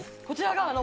こちらが。